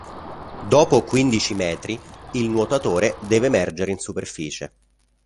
Dopo quindici metri, il nuotatore deve emergere in superficie.